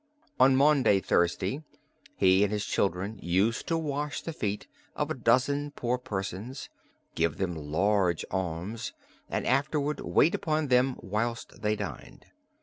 On Maundy Thursday, he and his children used to wash the feet of a dozen poor persons, give them large alms, and afterward wait upon them whilst they dined.